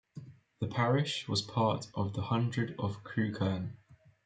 The parish was part of the hundred of Crewkerne.